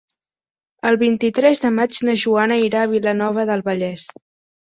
El vint-i-tres de maig na Joana irà a Vilanova del Vallès.